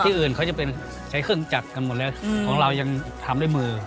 ที่อื่นเค้าจะใช้เครื่องจักษ์กันหมดแล้วของเรายังทำได้มือ